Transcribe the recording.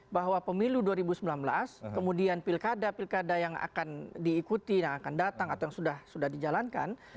bahwa pemilu dua ribu sembilan belas kemudian pilkada pilkada yang akan diikuti yang akan datang atau yang sudah dijalankan